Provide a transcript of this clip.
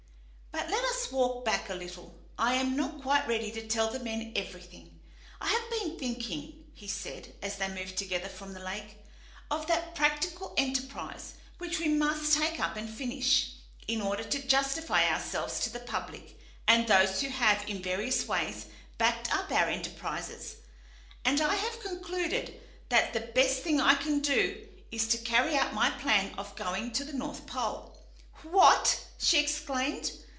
But let us walk back a little; I am not quite ready to tell the men everything. I have been thinking," he said, as they moved together from the lake, "of that practical enterprise which we must take up and finish, in order to justify ourselves to the public and those who have in various ways backed up our enterprises, and I have concluded that the best thing I can do is to carry out my plan of going to the north pole." "What!" she exclaimed.